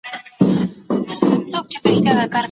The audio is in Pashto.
نفقه د کوم شي عوض دی؟